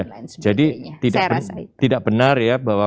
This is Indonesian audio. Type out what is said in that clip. saya rasa itu jadi tidak benar ya bahwa